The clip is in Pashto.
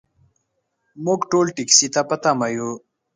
موږ ټول ټکسي ته په تمه یو .